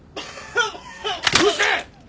うるせえ！